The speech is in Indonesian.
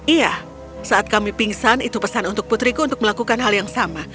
iya saat kami pingsan itu pesan untuk putriku untuk melakukan hal yang sama